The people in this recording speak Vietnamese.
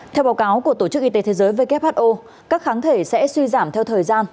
theo báo cáo của tổ chức y tế thế giới who các kháng thể sẽ suy giảm theo thời gian